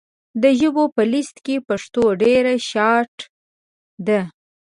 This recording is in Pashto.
د ژبو په لېسټ کې پښتو ډېره شاته ده .